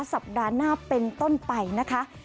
สัปดาห์หน้าเป็นต้นไปนะคะ